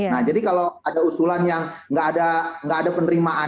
nah jadi kalau ada usulan yang nggak ada penerimaan